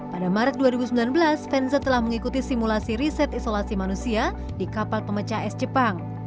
pada maret dua ribu sembilan belas venza telah mengikuti simulasi riset isolasi manusia di kapal pemecah es jepang